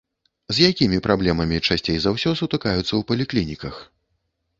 З якімі праблемамі часцей за ўсё сутыкаюцца ў паліклініках?